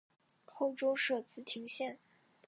后周设莘亭县。